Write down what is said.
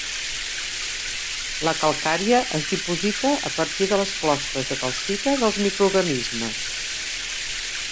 La calcària es diposita a partir de les closques de calcita dels microorganismes.